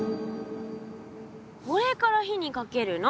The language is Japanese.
これから火にかけるの。